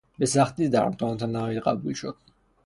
به سختی در امتحانات نهایی قبول شد.